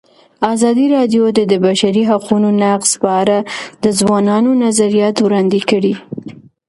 ازادي راډیو د د بشري حقونو نقض په اړه د ځوانانو نظریات وړاندې کړي.